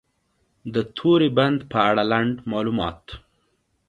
د توری بند په اړه لنډ معلومات: